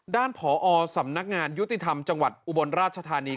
ผอสำนักงานยุติธรรมจังหวัดอุบลราชธานี